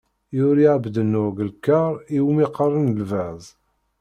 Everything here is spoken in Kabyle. Yuli Ԑebdennur deg lkaṛ iwmi qqaren “Lbaz”.